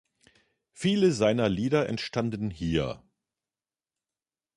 Viele seiner Lieder entstanden hier.